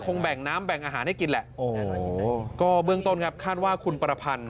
แบ่งน้ำแบ่งอาหารให้กินแหละโอ้โหก็เบื้องต้นครับคาดว่าคุณประพันธ์